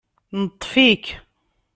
Neṭṭef-ik